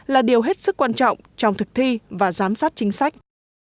là điều hết sức quan trọng trong thực thi và giám sát chính sách